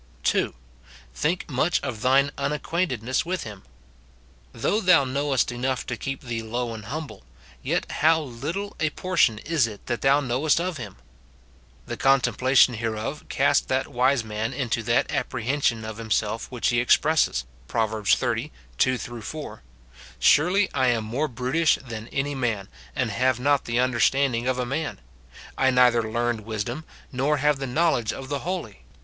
2. Think much of thine unacquaintedness with him. Though thou knoAvest enough to keep thee low and humble, yet how little a portion is it that thou knowest of him ! The contemplation hereof cast that wise man into that apprehension of himself which he expresses, Prov. XXX. 2 4, " Surely I am more brutish than any man, and have not the understanding of a man. I neither learned wisdom, nor have the knowledge of the holy.